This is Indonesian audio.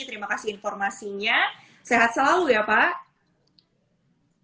terima kasih informasinya sehat selalu ya pak